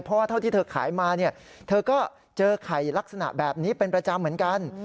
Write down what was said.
เพราะว่าเท่าที่เธอขายมาเนี่ยเธอก็เจอไข่ลักษณะแบบนี้เป็นประจำเหมือนกัน